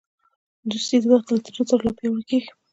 دوستي د وخت له تېرېدو سره لا پیاوړې کېږي.